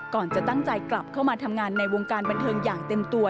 ก่อนจะตั้งใจกลับเข้ามาทำงานในวงการบันเทิงอย่างเต็มตัว